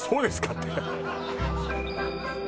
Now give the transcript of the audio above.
って